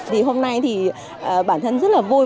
thì hôm nay thì bản thân rất là vui